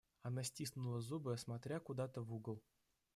Она стиснула зубы, смотря куда-то в угол.